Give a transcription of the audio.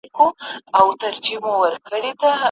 قلا ړنګه د بابا سوه پیره دار په اور کي سوځي